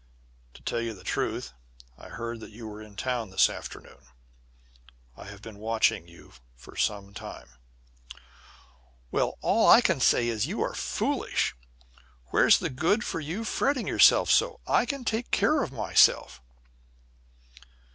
To tell you the truth, I heard that you were in town this afternoon. I have been watching for you for some time." "Well, all I can say is you are foolish. Where's the good for you fretting yourself so? I can take care of myself."